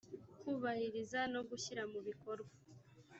kubahiriza no gushyira mu bikorwa